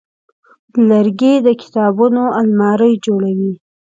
لرګی د کتابونو المارۍ جوړوي.